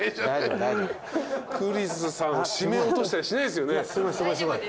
クリスさん絞め落としたりしないっすよね？